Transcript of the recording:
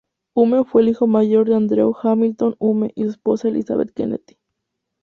Hume fue el hijo mayor de Andrew Hamilton Hume y su esposa Elizabeth Kennedy.